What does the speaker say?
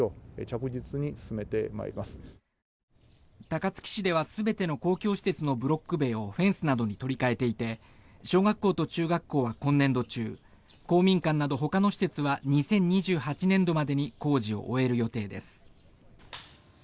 高槻市では全ての公共施設のブロック塀をフェンスなどに取り換えていて小学校と中学校は今年度中公民館などほかの施設は２０２８年度までに工事を終える予定です。